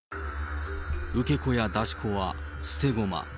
受け子や出し子は捨て駒。